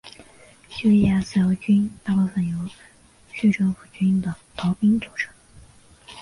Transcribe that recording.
叙利亚自由军大部分由叙政府军的逃兵组成。